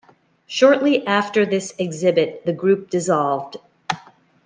Shortly after this exhibit, the group dissolved.